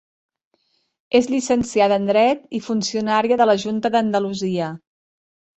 És llicenciada en Dret i funcionària de la Junta d'Andalusia.